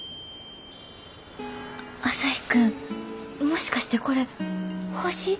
朝陽君もしかしてこれ星？